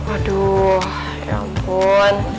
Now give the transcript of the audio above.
aduh ya ampun